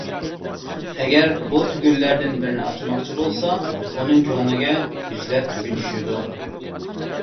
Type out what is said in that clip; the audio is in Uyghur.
ئەگەر بۇ تۈگۈنلەردىن بىرنى ئاچماقچى بولسا، ئۇنىڭ كۆڭلىگە يۈزلەپ تۈگۈن چۈشىدۇ.